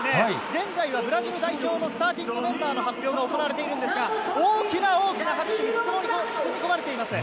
現在はブラジル代表のスターティングメンバーの発表が行われているんですが、大きな大きな拍手に包み込まれています。